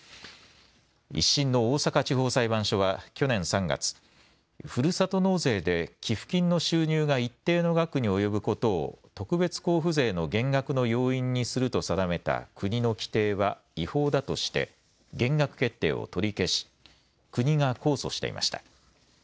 １審の大阪地方裁判所は去年３月、ふるさと納税で寄付金の収入が一定の額に及ぶことを特別交付税の減額の要因にすると定めた国の規定は違法だとして減額決定を取り消し国が控訴していました。